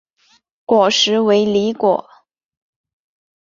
果实为离果。